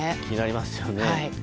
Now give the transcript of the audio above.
気になりますよね。